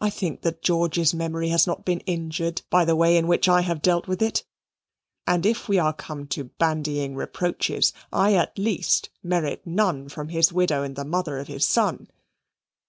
I think that George's memory has not been injured by the way in which I have dealt with it, and if we are come to bandying reproaches, I at least merit none from his widow and the mother of his son.